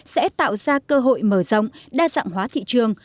sẽ tạo ra cơ hội mở rộng đa dạng hóa thị trường